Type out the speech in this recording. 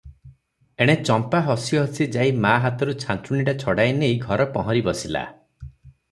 ଏଣେ ଚମ୍ପା ହସି ହସି ଯାଇ ମା ହାତରୁ ଛାଞ୍ଚୁଣିଟା ଛଡ଼ାଇ ନେଇ ଘର ପହଁରି ବସିଲା ।